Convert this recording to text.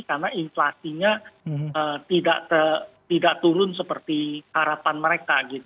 karena inflasinya tidak turun seperti harapan mereka gitu